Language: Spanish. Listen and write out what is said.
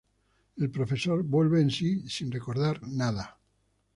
El profesor vuelve en si sin recordar nada.